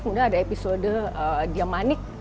kemudian ada episode dia manik